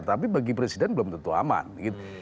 tapi bagi presiden belum tentu aman gitu